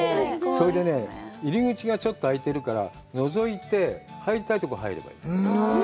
それでね、入り口がちょっと開いてるから、のぞいて、入りたいところに入ればいい。